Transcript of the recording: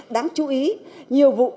đáng chú ý nhiều vụ